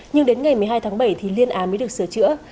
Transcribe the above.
nhưng đến ngày một mươi hai tháng bảy thì liên án mới được sửa chữa